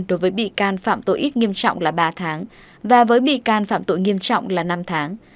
đối với bị can phạm tội ít nghiêm trọng là ba tháng và với bị can phạm tội nghiêm trọng là năm tháng